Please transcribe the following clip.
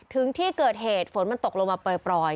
ถึงที่เกิดเหตุฝนมันตกลงมาปล่อย